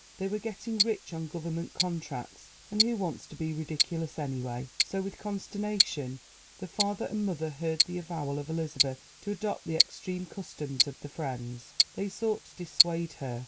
They were getting rich on government contracts and who wants to be ridiculous anyway? So, with consternation, the father and mother heard the avowal of Elizabeth to adopt the extreme customs of the Friends. They sought to dissuade her.